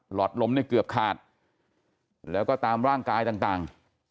อดลมเนี่ยเกือบขาดแล้วก็ตามร่างกายต่าง